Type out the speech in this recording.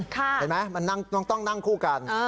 เห็นไหมมันต้องนั่งคู่กัน